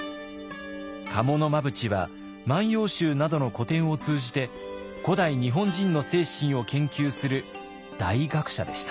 賀茂真淵は「万葉集」などの古典を通じて古代日本人の精神を研究する大学者でした。